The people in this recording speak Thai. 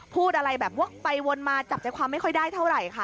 พูดอะไรแบบวกไปวนมาจับใจความไม่ค่อยได้เท่าไหร่ค่ะ